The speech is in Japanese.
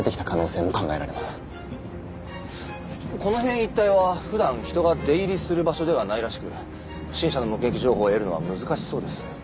この辺一帯は普段人が出入りする場所ではないらしく不審者の目撃情報を得るのは難しそうです。